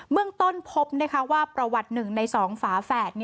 เมื่องต้นพบว่าประวัติหนึ่งในสองฝาแฝด